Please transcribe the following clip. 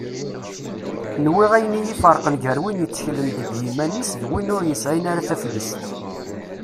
Nwiɣ ayen i iferqen gar win itteklen deg yiman-is d win ur yesɛin ara taflest.